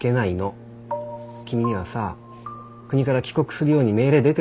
君にはさ国から帰国するように命令出てるでしょ？